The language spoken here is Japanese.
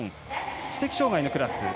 知的障がいのクラス。